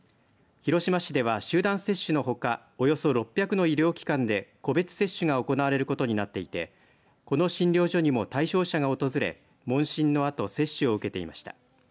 広島市では集団接種のほかおよそ６００の医療機関で個別接種が行われることになっていてこの診療所にも対象者が訪れ問診のあと接種を受けていました。